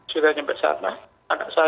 sudah nyampe sana